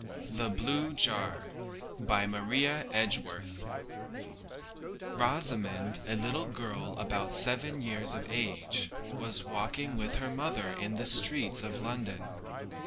] THE BLUE JAR. MARIA EDGEWORTH Rosamond, a little girl about seven years of age, was walking with her mother in the streets of London.